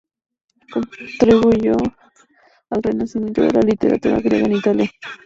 Contribuyó al renacimiento de la literatura griega en Italia.